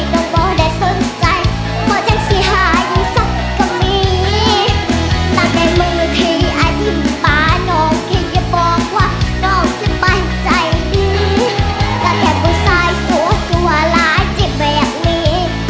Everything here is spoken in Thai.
น้องชิคกี้พายใจดีแต่แค่ผู้ใสสูตรกลัวร้ายจิตแบบนี้